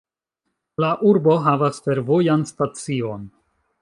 La urbo havas fervojan stacion.